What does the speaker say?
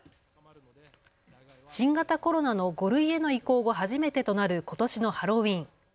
新型コロナの５類への移行後初めてとなることしのハロウィーン。